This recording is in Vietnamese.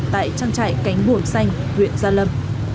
tại trang trại cánh buồn xanh huyện gia lâm